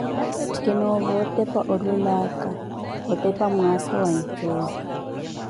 Kinoova otepa olwelaka otepa mwaasa wa ncuwa.